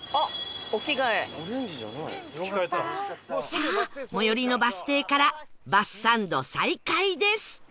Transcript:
さあ最寄りのバス停からバスサンド再開です